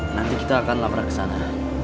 nanti kita akan lapor ke sana